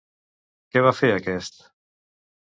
Què va fer aquest?